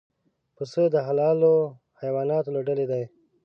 پسه د حلالو حیواناتو له ډلې دی.